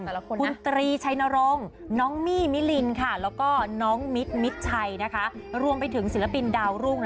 คุณตรีชัยนรงค์น้องมี่มิลินค่ะแล้วก็น้องมิดมิดชัยนะคะรวมไปถึงศิลปินดาวรุ่ง